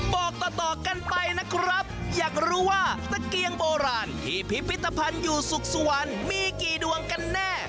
บอกต่อกันไปนะครับอยากรู้ว่าตะเกียงโบราณที่พิพิธภัณฑ์อยู่สุขสวรรค์มีกี่ดวงกันแน่